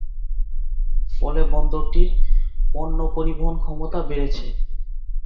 ফলে বন্দরটির পণ্য পরিবহন ক্ষমতা বেড়েছে।